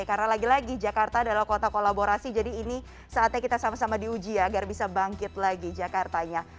karena lagi lagi jakarta adalah kota kolaborasi jadi ini saatnya kita sama sama diuji ya agar bisa bangkit lagi jakartanya